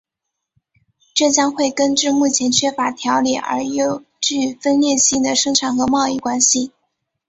这将会根治目前缺乏条理而又具分裂性的生产和贸易关系。